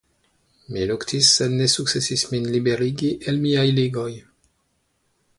Mi luktis sed ne sukcesis min liberigi el miaj ligoj.